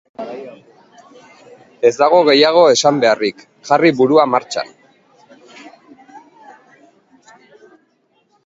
Ez dago askoz gehiago esan beharrik, jarri burua martxan.